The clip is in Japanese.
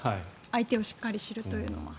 相手をしっかり知るというのは。